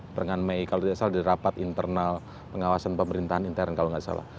peran mei kalau tidak salah di rapat internal pengawasan pemerintahan intern kalau nggak salah